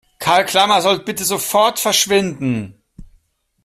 Karl Klammer soll bitte sofort verschwinden!